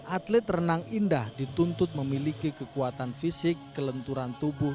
atlet renang indah dituntut memiliki kekuatan fisik kelenturan tubuh